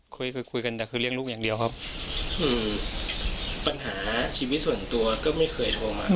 คุยคือคุยกันแต่คือเลี้ยงลูกอย่างเดียวครับคือปัญหาชีวิตส่วนตัวก็ไม่เคยโทรมา